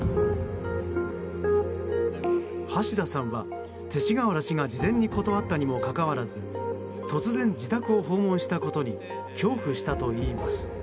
橋田さんは、勅使河原氏が事前に断ったにもかかわらず突然、自宅を訪問したことに恐怖したといいます。